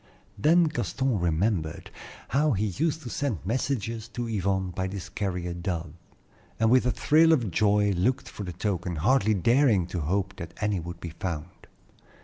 Then Gaston remembered how he used to send messages to Yvonne by this carrier dove, and with a thrill of joy looked for the token, hardly daring to hope that any would be found.